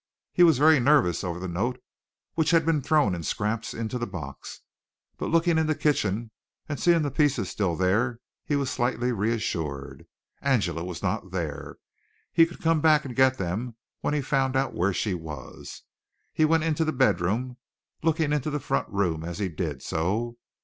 He was very nervous over the note which had been thrown in scraps into the box, but looking in the kitchen and seeing the pieces still there he was slightly reassured. Angela was not there; he could come back and get them when he found out where she was. He went on into the bedroom, looking into the front room as he did so.